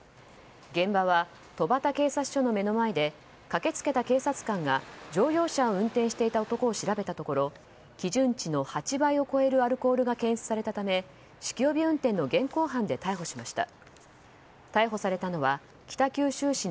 現場は戸畑警察署の目の前で駆け付けた警察官が乗用車を運転していた男を調べたところ基準値の８倍を超えるアルコールが検出されたため酒気帯び運転の現行犯で逮捕されました。